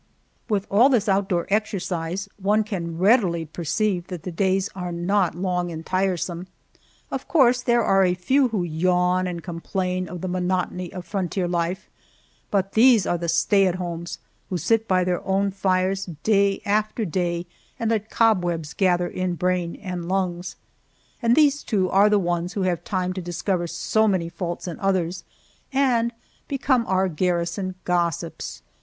With all this outdoor exercise, one can readily perceive that the days are not long and tiresome. Of course there are a few who yawn and complain of the monotony of frontier life, but these are the stay at homes who sit by their own fires day after day and let cobwebs gather in brain and lungs. And these, too, are the ones who have time to discover so many faults in others, and become our garrison gossips!